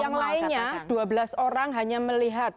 yang lainnya dua belas orang hanya melihat